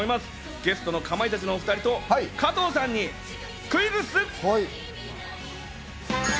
ゲストのかまいたちのお２人と加藤さんにクイズッス！